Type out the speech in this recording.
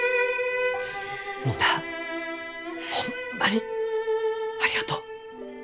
みんなホンマにありがとう。